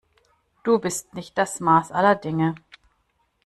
Du bist nicht das Maß aller Dinge.